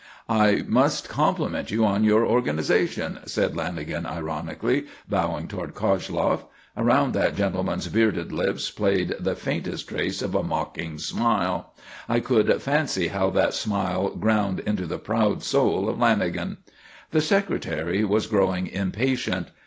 "I must compliment you on your organisation," said Lanagan ironically, bowing toward Koshloff. Around that gentleman's bearded lips played the faintest trace of a mocking smile. I could fancy how that smile ground into the proud soul of Lanagan. The Secretary was growing impatient.